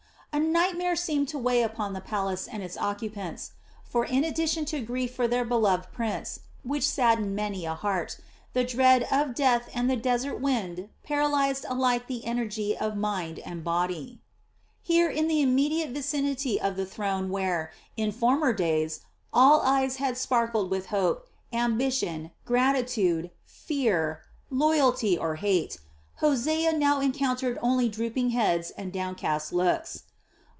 A nightmare seemed to weigh upon the palace and its occupants; for in addition to grief for their beloved prince, which saddened many a heart, the dread of death and the desert wind paralyzed alike the energy of mind and body. Here in the immediate vicinity of the throne where, in former days, all eyes had sparkled with hope, ambition, gratitude, fear, loyalty, or hate, Hosea now encountered only drooping heads and downcast looks.